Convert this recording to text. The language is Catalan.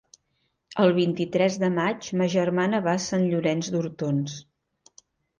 El vint-i-tres de maig ma germana va a Sant Llorenç d'Hortons.